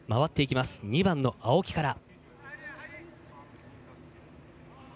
２番の青木からの攻撃。